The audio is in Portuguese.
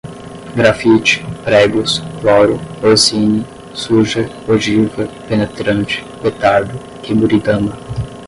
grafite, pregos, cloro, orsini, suja, ogiva, penetrante, petardo, kemuridama